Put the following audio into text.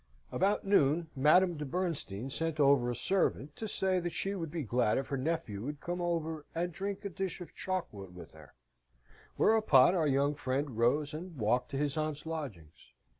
About noon Madame de Bernstein sent over a servant to say that she would be glad if her nephew would come over and drink a dish of chocolate with her, whereupon our young friend rose and walked to his aunt's lodgings.